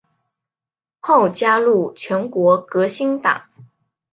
后加入全国革新党。